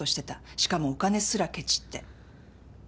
しかもお金すらケチって。